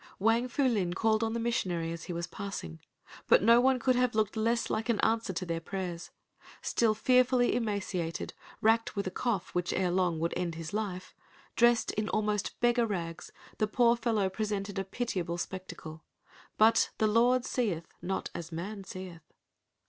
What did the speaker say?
Wang Fu Lin called on the missionary as he was passing. But no one could have looked less like an answer to their prayers. Still fearfully emaciated, racked with a cough which ere long would end his life, dressed in almost beggar rags, the poor fellow presented a pitiable spectacle. But "the Lord seeth not as man seeth."